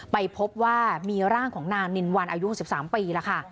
ไปพบว่ามีร่างของนางนินวันอายุ๑๓ปีแล้วค่ะ